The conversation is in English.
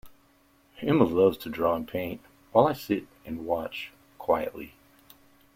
Emma loves to draw and paint, while I sit and watch quietly